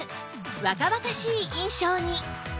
若々しい印象に！